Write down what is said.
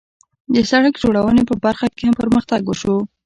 د سړک جوړونې په برخه کې هم پرمختګ وشو.